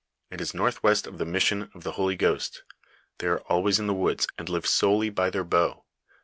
It is northwest of the mission of the Holy Ghost ; they are always in the woods, and live solely by their bow.